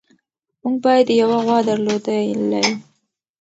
موږ باید یوه غوا درلودلی.